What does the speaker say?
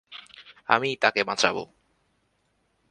আমিই তাকে বাঁচাব।